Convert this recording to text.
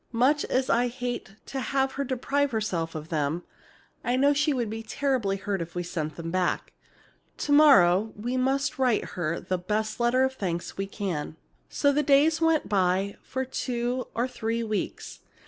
Much as I hate to have her deprive herself of them, I know she'd be terribly hurt if we sent them back. To morrow we must write her the best letter of thanks we can." So the days went by for two or three weeks.